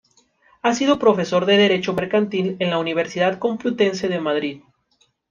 Ha sido profesor de Derecho Mercantil en la Universidad Complutense de Madrid.